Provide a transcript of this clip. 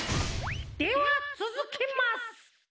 ではつづけます！